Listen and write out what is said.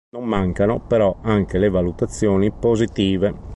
Non mancano però anche le valutazioni positive.